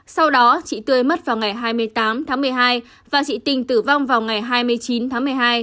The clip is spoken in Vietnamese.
sau đó chị tươi mất vào ngày hai mươi tám tháng một mươi hai và chị tình tử vong vào ngày hai mươi chín tháng một mươi hai